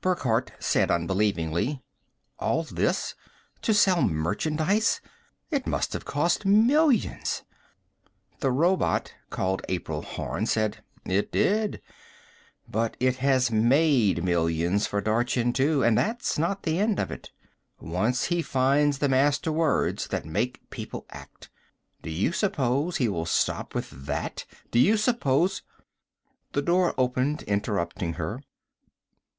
Burckhardt said unbelievingly, "All this to sell merchandise! It must have cost millions!" The robot called April Horn said, "It did. But it has made millions for Dorchin, too. And that's not the end of it. Once he finds the master words that make people act, do you suppose he will stop with that? Do you suppose " The door opened, interrupting her.